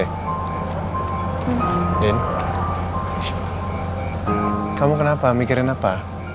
hey din kamu kenapa mikirin apa